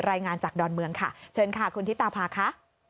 รายงานจากดอนเมืองค่ะเชิญค่ะคุณธิตาภาค่ะ